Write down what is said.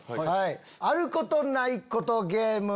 あることないことゲーム！